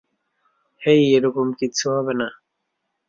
হেই, এরকম কিচ্ছু হবে না।